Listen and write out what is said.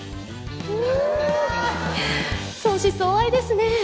うん相思相愛ですね